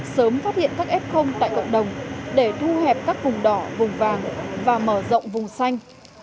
sớm phát hiện các f tại cộng đồng để thu hẹp các vùng đỏ vùng vàng và mở rộng vùng xanh